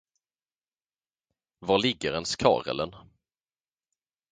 Var ligger ens Karelen?